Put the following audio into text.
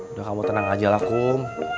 udah kamu tenang aja lah kum